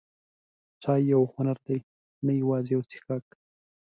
چای یو هنر دی، نه یوازې یو څښاک.